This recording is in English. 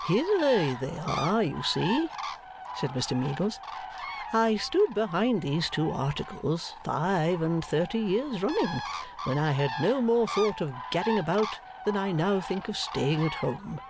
'Here they are, you see,' said Mr Meagles. 'I stood behind these two articles five and thirty years running, when I no more thought of gadding about than I now think of staying at home.